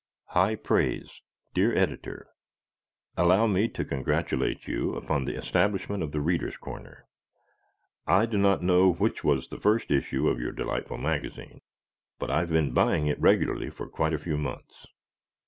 High Praise Dear Editor: Allow me to congratulate you upon the establishment of "The Readers' Corner." I do not know which was the first issue of your delightful magazine, but I have been buying it regularly for quite a few months.